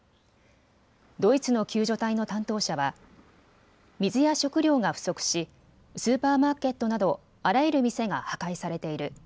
ドイツの救助隊の担当者は水や食料が不足しスーパーマーケットなどあらゆる店が破壊されている。